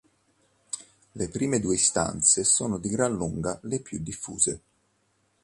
Le prime due istanze sono di gran lunga le più diffuse.